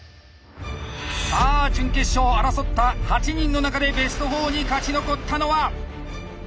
さあ準決勝を争った８人の中でベスト４に勝ち残ったのは。